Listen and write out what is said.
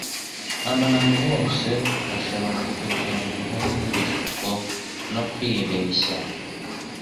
Abantu bose bashobora kugenvaho n'ibishuko no kwibeshya.